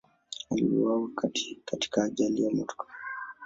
Aliuawa katika ajali ya motokaa.